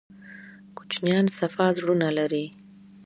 کوچنیان صفا زړونه لري